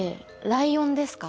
ライオンですか？